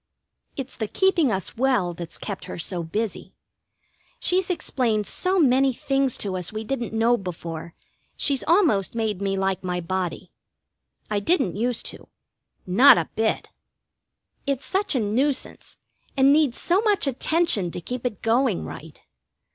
It's the keeping us well that's kept her so busy. She's explained so many things to us we didn't know before, she's almost made me like my body. I didn't use to. Not a bit. It's such a nuisance, and needs so much attention to keep it going right.